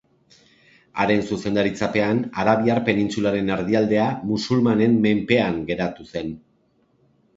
Haren zuzendaritzapean Arabiar Penintsularen erdialdea musulmanen menpean geratu zen.